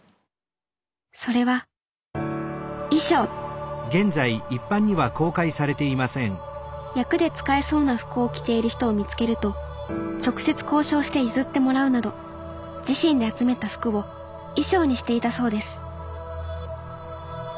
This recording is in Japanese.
それは衣装役で使えそうな服を着ている人を見つけると直接交渉して譲ってもらうなど自身で集めた服を衣装にしていたそうです。